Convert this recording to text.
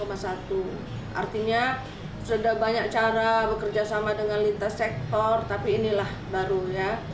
artinya sudah banyak cara bekerja sama dengan lintas sektor tapi inilah baru ya